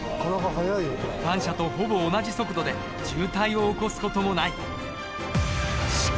一般車とほぼ同じ速度で渋滞を起こす事もない。